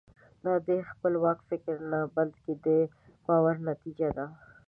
دا د خپلواک فکر نه بلکې د باور نتیجه ده.